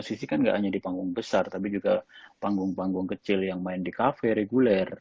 karena musik kan gak hanya di panggung besar tapi juga panggung panggung kecil yang main di cafe reguler